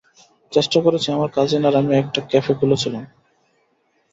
চেষ্টা করেছি, আমার কাজিন আর আমি একটা ক্যাফে খুলেছিলাম।